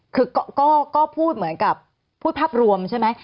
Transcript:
คือก็พูดเหมือนกับพูดภาพรวมใช่ไหม